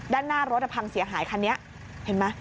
ด้านหน้ารถพังเสียหายคันนี้เห็นไหม